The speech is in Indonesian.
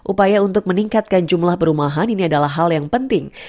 upaya untuk meningkatkan jumlah perumahan ini adalah hal yang penting